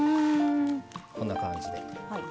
こんな感じで。